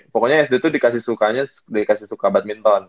pokoknya sd itu dikasih sukanya dikasih suka badminton